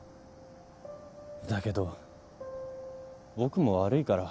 だけど僕も悪いから。